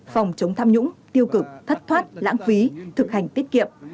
phòng chống tham nhũng tiêu cực thất thoát lãng phí thực hành tiết kiệm